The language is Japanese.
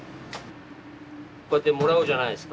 こうやってもらうじゃないですか。